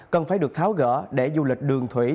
cần phải được tháo gỡ để du lịch đường thủy